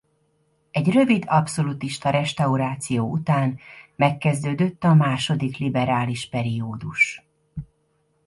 Egy rövid abszolutista restauráció után megkezdődött a második liberális periódus.